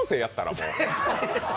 もう。